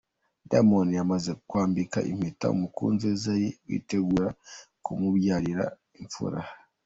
Diamond yamaze kwambika impeta umukunzi we Zari witegura kumubyarira imfura.